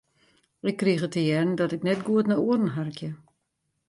Ik krige te hearren dat ik net goed nei oaren harkje.